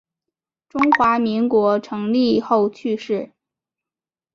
中华民国成立后去世。